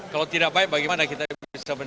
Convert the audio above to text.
kalau tidak baik bagaimana kita bisa